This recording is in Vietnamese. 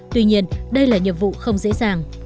tuy nhiên đây là nhiệm vụ không dễ dàng